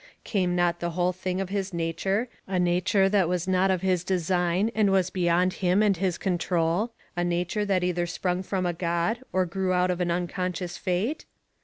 Came not the whole thing of his nature, a nature that was not of his design, and was beyond him and his control a nature that either sprung from a God, or grew out of an unconscious Fate?